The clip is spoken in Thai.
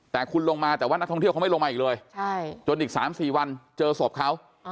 แต่คุณลงมาแต่ว่านักท่องเที่ยวเขาไม่ลงมาอีกเลยจนอีก๓๔วันเจอศพเขา